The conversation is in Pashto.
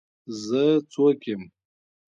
زه څوک يم.